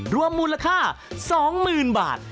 รวมมูลค่า๒๐๐๐๐บาท